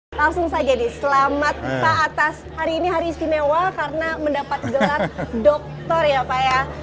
selamat hari ini pak atas hari ini hari istimewa karena mendapat gelar doktor ya pak ya